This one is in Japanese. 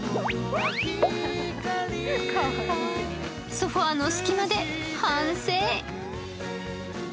ソファの隙間で反省。